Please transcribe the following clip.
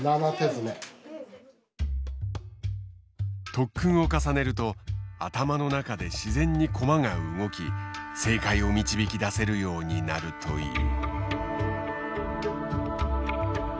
特訓を重ねると頭の中で自然に駒が動き正解を導き出せるようになるという。